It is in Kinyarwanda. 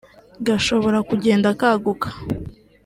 gashobora kugenda kaguka